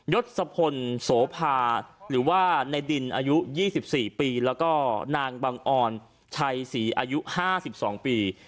ศพลโสภาหรือว่าในดินอายุ๒๔ปีแล้วก็นางบังออนชัยศรีอายุ๕๒ปี